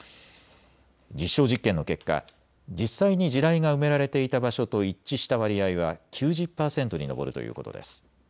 実証実験の結果、実際に地雷が埋められていた場所と一致した割合は９０％に上るということです。